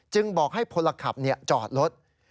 บอกให้พลขับจอดรถ